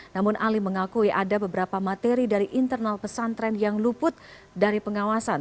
namun ali mengakui ada beberapa materi dari internal pesantren yang luput dari pengawasan